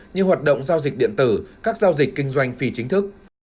như hoạt động giao dịch điện tử các giao dịch kinh doanh phi chính thức